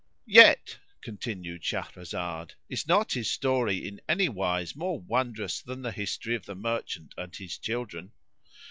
"Yet (continued Shahrazad) is not his story in any wise more wondrous than the history of the merchant and his children."